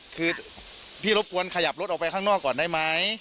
คือพี่รบกวนขยับรถออกไปข้างนอกก่อนได้ไหม